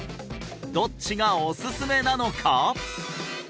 どっちがおすすめなのか？